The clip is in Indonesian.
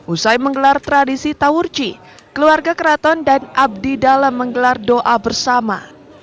usai menggelar tradisi tawurji keluarga keraton dan abdi dalam menggelar doa bersama